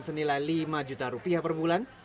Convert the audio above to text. senilai lima juta rupiah per bulan